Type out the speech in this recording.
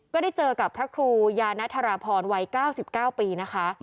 ก็ได้เจอกับพระครูยานธรพรวัย๙๙ปีนะคะ